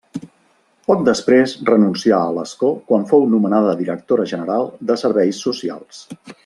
Poc després renuncià a l'escó quan fou nomenada directora general de Serveis Socials.